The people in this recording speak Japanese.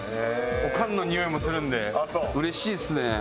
オカンのにおいもするんでうれしいっすね。